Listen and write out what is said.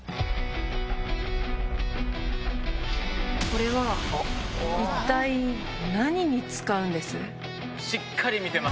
これは一体何に使うんです？